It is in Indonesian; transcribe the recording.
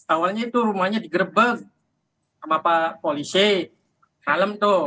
awalnya itu rumahnya digerebek sama pak polisi helm tuh